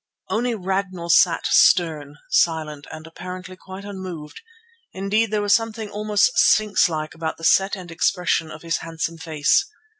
Only Ragnall sat stern, silent, and apparently quite unmoved. Indeed there was something almost sphinx like about the set and expression of his handsome face.